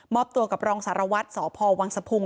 มอบตัวกับรองสารวัตน์สพวังสภูมิ